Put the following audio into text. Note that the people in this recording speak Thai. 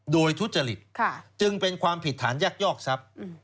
โดยทุจริตจึงเป็นความผิดฐานยักยอกทรัพย์